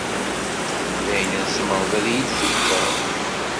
D ayen i tzemreḍ ad yi-d-tefkeḍ?